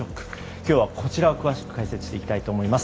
今日はこちらを詳しく解説していきます。